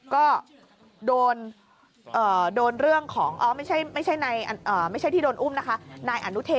ก็โดนเรื่องของไม่ใช่ที่โดนอุ้มนะคะนายอนุเท